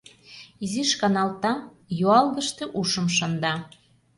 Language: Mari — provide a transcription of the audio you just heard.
Изиш каналта, юалгыште ушым шында.